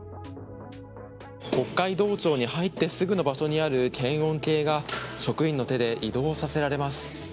北海道庁に入ってすぐの場所にある検温計が職員の手で移動させられます。